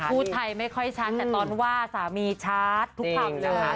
พูดไทยไม่ค่อยชัดแต่ตอนว่าสามีชัดทุกคำนะคะ